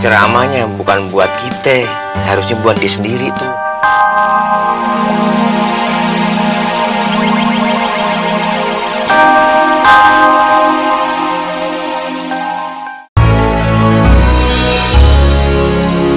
ceramanya bukan buat kita harusnya buat dia sendiri tuh